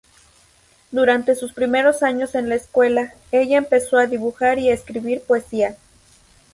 Durante sus primeros años en la escuela, ella empezó a dibujar y escribir poesía.